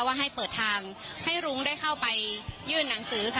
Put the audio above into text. ว่าให้เปิดทางให้รุ้งได้เข้าไปยื่นหนังสือค่ะ